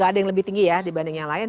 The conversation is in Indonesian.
ada yang lebih tinggi ya dibanding yang lain